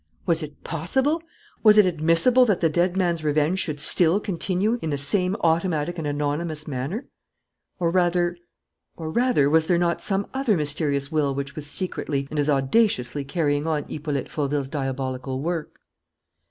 Was it possible? Was it admissible that the dead man's revenge should still continue in the same automatic and anonymous manner? Or rather or rather, was there not some other mysterious will which was secretly and as audaciously carrying on Hippolyte Fauville's diabolical work?